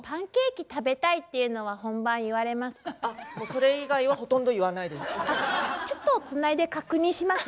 それ以外はほとんど言わないです。